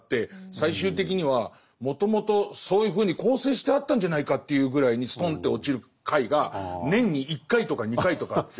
最終的にはもともとそういうふうに構成してあったんじゃないかというぐらいにストンと落ちる回が年に１回とか２回とかあって。